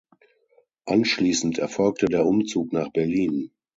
Anschließend erfolgte der Umzug nach Berlin.